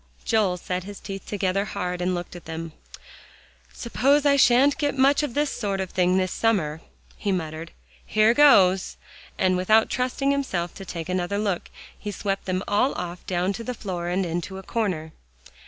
Joel set his teeth together hard, and looked at them. "Suppose I shan't get much of this sort of thing this summer," he muttered. "Here goes!" and without trusting himself to take another look, he swept them all off down to the floor and into a corner.